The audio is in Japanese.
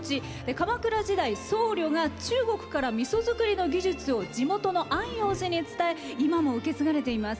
鎌倉時代、僧侶が中国からみそ造りの技術を地元の安養寺に伝え今も受け継がれています。